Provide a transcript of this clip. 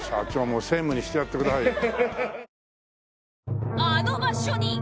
もう専務にしてやってくださいよ。